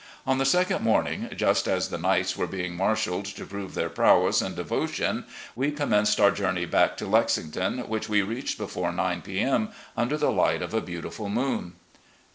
On the second morning, just as the knights were being marshalled to prove their prowess and devotion, we commenced our journey back to Lexington, which we reached before nine p. m., under the light of a beautiful moon."